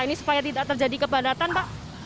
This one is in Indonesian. ini supaya tidak terjadi kepadatan pak